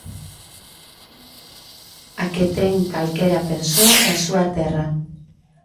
A que ten calquera persoa da súa terra.